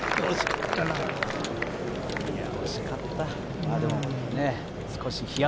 惜しかったな。